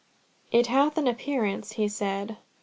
"It hath an appearance," he said.